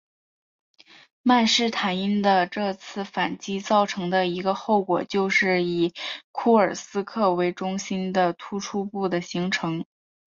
曼施坦因的这次反击造成的一个后果就是以库尔斯克为中心的突出部的形成。